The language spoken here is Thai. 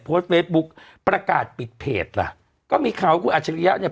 โพสต์เฟซบุ๊คประกาศปิดเพจล่ะก็มีข่าวว่าคุณอัจฉริยะเนี่ย